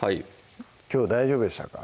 きょう大丈夫でしたか？